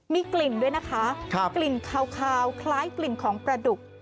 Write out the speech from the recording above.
มีกลิ่นด้วยนะคะกลิ่นคาวคล้ายกลิ่นของปลาดุก